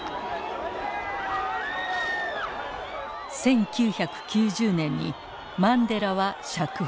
１９９０年にマンデラは釈放。